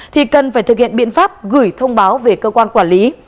thì cần phải thực hiện biện pháp gửi thông báo về cơ quan quản lý